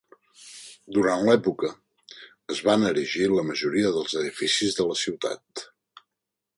Durant l'època, es van erigir la majoria dels edificis de la ciutat.